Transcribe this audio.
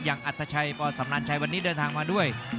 อัธชัยปสำนาญชัยวันนี้เดินทางมาด้วย